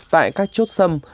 tại các chốt sâm